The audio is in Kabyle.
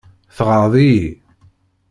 Tɣaḍ-iyi.